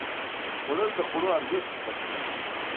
خوړل د خوړو ارزښت درک کوي